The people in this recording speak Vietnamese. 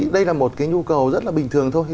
đây là một cái nhu cầu rất là bình thường thôi